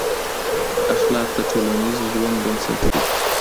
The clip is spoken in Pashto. اخلاق د ټولنیز ژوند بنسټ دي.